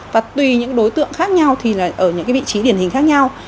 và tùy những đối tượng khác nhau thì ở những vị trí điển hình khác nhau